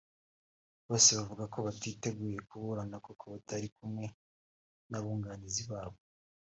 bose bavuga ko batiteguye kuburana kuko batari kumwe n’abunganizi babo